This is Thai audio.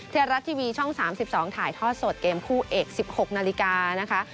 ไทยรัฐทีวีช่อง๓๒ถ่ายทอดสดเกมคู่เอก๑๖นาฬิกานะคะ